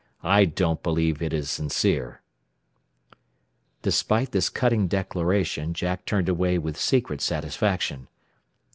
I don't believe it is sincere." Despite this cutting declaration Jack turned away with secret satisfaction.